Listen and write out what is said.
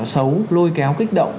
xấu lôi kéo kích động